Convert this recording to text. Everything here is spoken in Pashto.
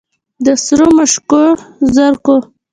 د سرو مشوکو زرکو